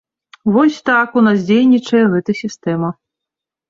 Вось так у нас дзейнічае гэта сістэма.